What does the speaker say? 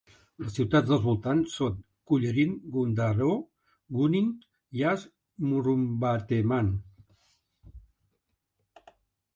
Les ciutats dels voltants són Cullerin, Gundaroo, Gunning, Yass i Murrumbateman.